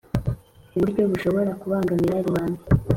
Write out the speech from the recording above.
uburyo bushobora kubangamira rubanda